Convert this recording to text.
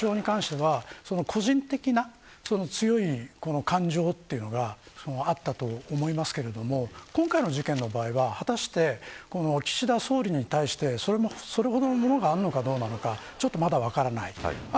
一方で、安倍元首相に関しては個人的な強い感情というのがあったと思いますけれども今回の事件の場合は果たして、岸田総理に対してそれほどのものがあるのかどうなのかちょっとまだ分からない。